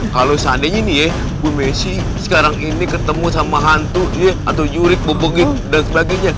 kalau seandainya nih ya mameshi sekarang ini ketemu sama hantu ya atau jurik bobogeg dan sebagainya